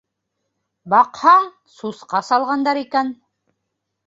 Баҡһаң, сусҡа салғандар икән.